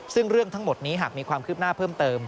ซึ่งเรื่องทั้งหมดนี้หากมีความคืบหน้าเพิ่มเติม